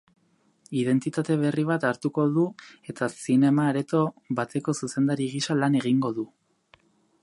Identitate berri bat hartuko du eta zinema-areto bateko zuzendari gisa lan egingo du.